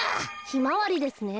ひまわりですね。